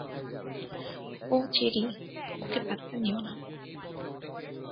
ও Cherry, ওকে পাত্তা দিও না।